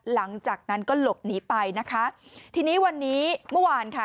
หลังจากนั้นก็หลบหนีไปนะคะทีนี้วันนี้เมื่อวานค่ะ